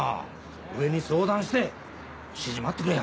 上に相談して指示待ってくれよ。